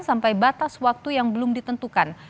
sampai batas waktu yang belum ditentukan